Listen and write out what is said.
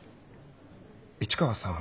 市川さん